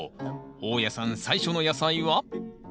大家さん最初の野菜は？